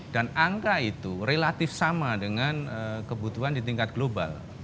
dan angka itu relatif sama dengan kebutuhan di tingkat global